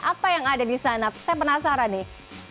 apa yang ada di sana saya penasaran nih